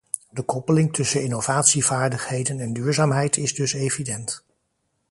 De koppeling tussen innovatievaardigheden en duurzaamheid is dus evident.